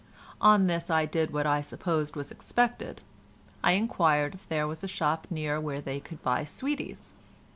On this I did what I suppose was expected: I inquired if there was a shop near where they could buy sweeties.